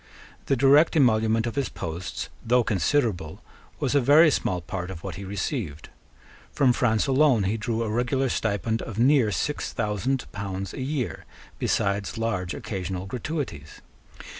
The direct emolument of his posts, though considerable, was a very small part of what he received. From France alone he drew a regular stipend of near six thousand pounds a year, besides large occasional gratuities.